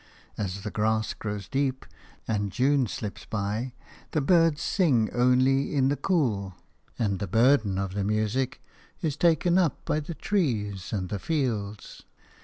As the grass grows deep, and June slips by, the birds sing only in the cool, and the burden of the music is taken up by the trees and the fields.